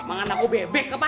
emang anakku bebek apa